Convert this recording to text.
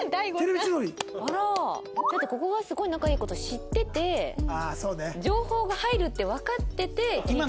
だってここがすごい仲いい事知ってて情報が入るってわかってて聞いてる。